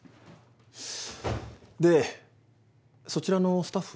でそちらのスタッフは？